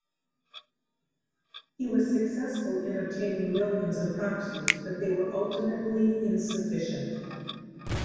He was successful in obtaining millions of proxies but they were ultimately insufficient.